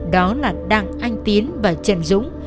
đó là đặng anh tiến và trần dũng